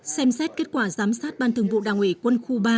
xem xét kết quả giám sát ban thường vụ đảng ủy quân khu ba